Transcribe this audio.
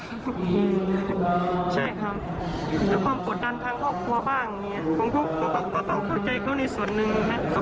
แต่ความกดตรับรอบพ่อบ้างผมก็ต้องเข้าใจเขาในส่วนนึง